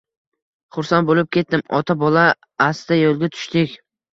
Xursand boʻlib ketdim. Ota-bola asta yoʻlga tushdik.